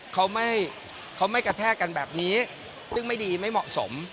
เขาไม่เขาไม่กระแทกกันแบบนี้ซึ่งไม่ดีไม่เหมาะสม